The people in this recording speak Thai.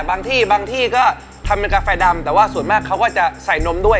บางที่บางที่ก็ทำเป็นกาแฟดำแต่ว่าส่วนมากเขาก็จะใส่นมด้วย